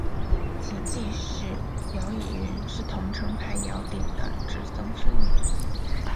其继室姚倚云是桐城派姚鼐的侄曾孙女。